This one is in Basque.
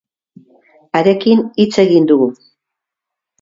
Harekin hitz egin dugu.